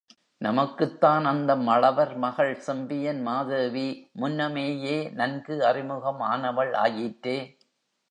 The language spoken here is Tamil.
நமக்குத்தான் அந்த மழவர் மகள் செம்பியன் மாதேவி முன்னமேயே நன்கு அறிமுகம் ஆனவள் ஆயிற்றே.